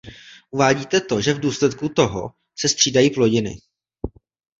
Uvádíte to, že v důsledku toho se střídají plodiny.